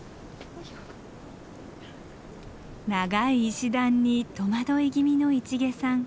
長い石段に戸惑い気味の市毛さん。